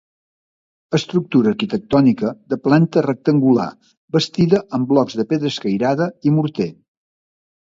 Estructura arquitectònica de planta rectangular bastida amb blocs de pedra escairada i morter.